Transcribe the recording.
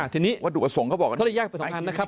ทีนี้เขาเรียกไป๒อันนะครับ